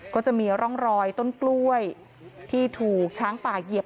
ก็จะมีร่องรอยต้นกล้วยที่ถูกช้างป่าเหยียบ